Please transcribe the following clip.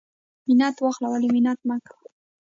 ـ منت واخله ولی منت مکوه.